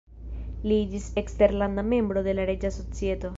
Li iĝis eksterlanda membro de la Reĝa Societo.